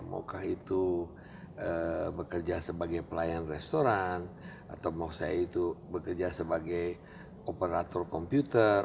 maukah itu bekerja sebagai pelayan restoran atau mau saya itu bekerja sebagai operator komputer